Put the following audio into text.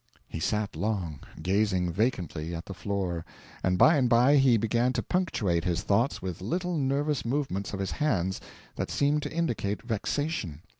He sat long, gazing vacantly at the floor, and by and by he began to punctuate his thoughts with little nervous movements of his hands that seemed to indicate vexation.